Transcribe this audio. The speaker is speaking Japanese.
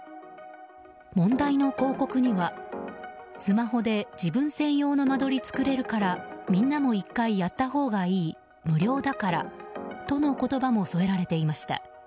問題の広告には、スマホで自分専用の間取り作れるからみんなも１回やったほうがいい無料だから！！との言葉も添えられていました。